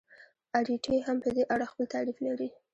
اریټي هم په دې اړه خپل تعریف لري.